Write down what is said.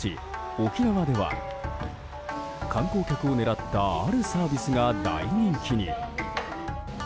沖縄では観光客を狙ったあるサービスが大人気に。